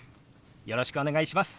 よろしくお願いします。